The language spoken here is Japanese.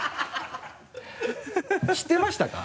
知ってましたか？